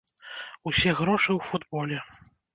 Усе грошы ў футболе.